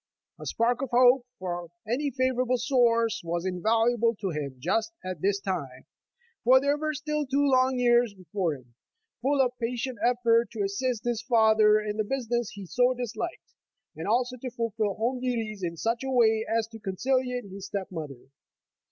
A spark of hope from any favorable source was in valuable to him just at this time, for there were still two long years before him, full of patient effort to as sist his father in the business he so disliked, and also to fulfill home duties in such a way as to conciliate his step mother.